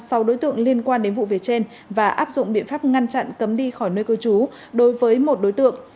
sau đối tượng liên quan đến vụ vệ trên và áp dụng biện pháp ngăn chặn cấm đi khỏi nơi cơ chú đối với một đối tượng